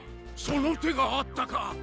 その手があったか。